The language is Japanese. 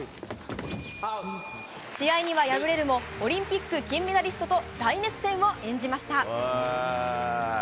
試合には敗れるも、オリンピック金メダリストと大熱戦を演じました。